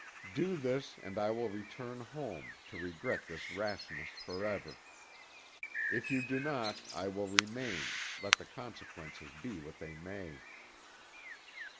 "Do this, and I will return home, to regret this rashness forever. If you do not, I will remain, let the consequences be what they may."